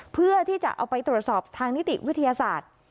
เพื่อที่จะเอาไปตรวจสอบทางนิติวิทยาศาสตร์